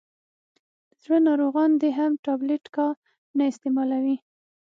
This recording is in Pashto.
دزړه ناروغان دي هم ټابلیټ کا نه استعمالوي.